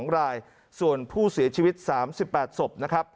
๒รายส่วนผู้เสียชีวิต๓๘ศพนะครับ